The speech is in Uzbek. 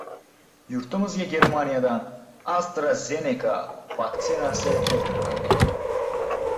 Yurtimizga Germaniyadan AstraZeneca vaktsinasi keltiriladi